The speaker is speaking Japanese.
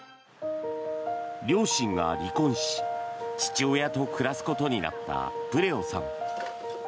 両親が離婚し父親と暮らすことになったプレオさん。